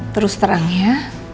terus terang ya